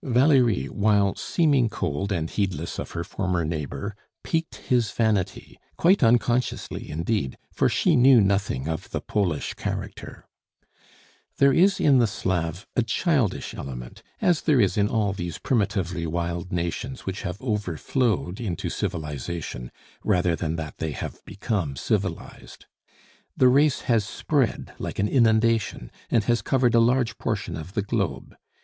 Valerie, while seeming cold and heedless of her former neighbor, piqued his vanity, quite unconsciously indeed, for she knew nothing of the Polish character. There is in the Slav a childish element, as there is in all these primitively wild nations which have overflowed into civilization rather than that they have become civilized. The race has spread like an inundation, and has covered a large portion of the globe.